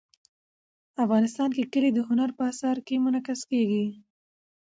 افغانستان کې کلي د هنر په اثار کې منعکس کېږي.